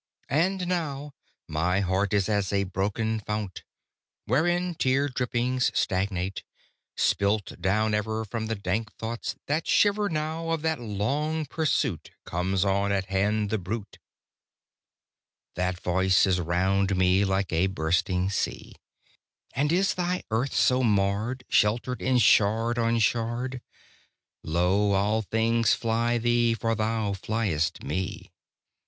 [Illustration: And now my heart is as a broken fount, Wherein tear drippings stagnate, spilt down ever From the dank thoughts that shiver] Now of that long pursuit Comes on at hand the bruit; That Voice is round me like a bursting sea: "And is thy earth so marred, Shattered in shard on shard? Lo, all things fly thee, for thou fliest Me!